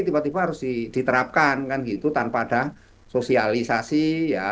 tiba tiba harus diterapkan kan gitu tanpa ada sosialisasi ya